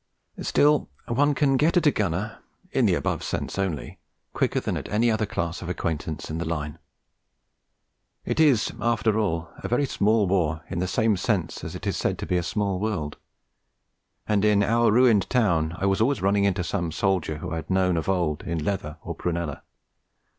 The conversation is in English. Still, one can get at a gunner (in the above sense only) quicker than at any other class of acquaintance in the Line. It is, after all, a very small war in the same sense as it is said to be a small world; and in our ruined town I was always running into some soldier whom I had known of old in leather or prunella.